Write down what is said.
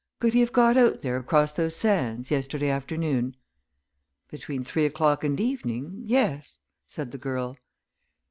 Could he have got out there across those sands, yesterday afternoon?" "Between three o'clock and evening yes," said the girl.